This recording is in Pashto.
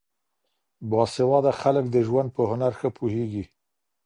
با سواده خلګ د ژوند په هنر ښه پوهېږي.